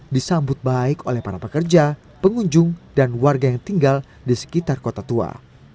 disambut baik oleh para pekerja pengunjung dan warga yang tinggal di sekitar kota tua